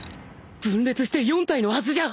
分裂して４体のはずじゃ！？